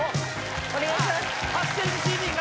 お願いします